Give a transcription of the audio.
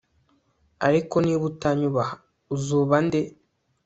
ariko niba utanyubaha, uzuba nde